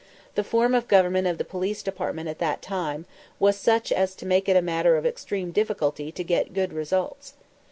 The form of government of the Police Department at that time was such as to make it a matter of extreme difficulty to get good results.